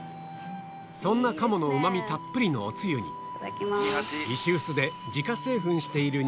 そんな鴨のうま味たっぷりのおつゆにうん！